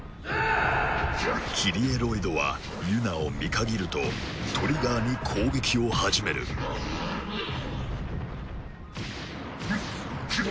キリエロイドはユナを見限るとトリガーに攻撃を始めるキリ！